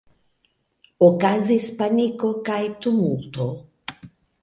Okazis paniko kaj tumulto.